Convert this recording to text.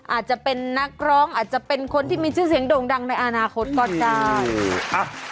อาจจะเป็นนักร้องอาจจะเป็นคนที่มีชื่อเสียงโด่งดังในอนาคตก็ได้